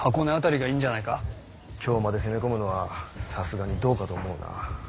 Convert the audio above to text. ・京まで攻め込むのはさすがにどうかと思うが。